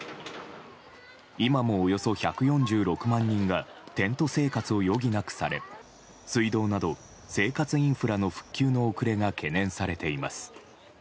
今もおよそ１４６万人がテント生活を余儀なくされ水道など生活インフラの復旧の遅れが懸念されています。